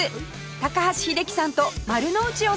高橋英樹さんと丸の内を散歩します